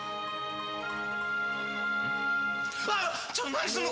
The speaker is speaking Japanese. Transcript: ちょっと、何するの？